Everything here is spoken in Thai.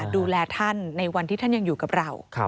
ดูแลท่านในวันที่ท่านยังอยู่กับเรา